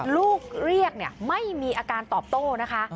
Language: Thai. เรียกไม่มีอาการตอบโต้นะคะ